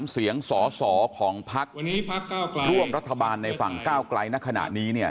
เสียงสอสอของพักร่วมรัฐบาลในฝั่งก้าวไกลในขณะนี้เนี่ย